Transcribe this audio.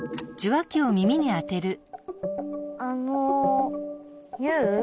あのユウ？